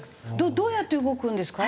どうやって動くんですか？